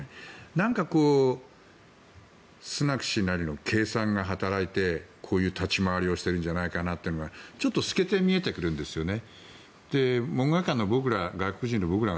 何かスナク氏なりの計算が働いてこういう立ち回りをしているんじゃないかなっていうのが透けて見えてくるんですよね。